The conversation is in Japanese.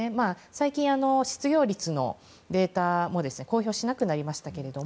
最近、失業率のデータも公表しなくなりましたけど